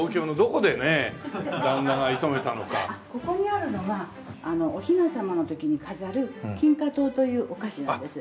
ここにあるのがお雛様の時に飾る金花糖というお菓子なんです。